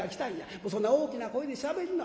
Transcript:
『もうそんな大きな声でしゃべりな。